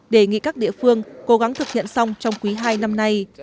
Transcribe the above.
đề nghị các địa phương cố gắng thực hiện xong trong quý hai năm nay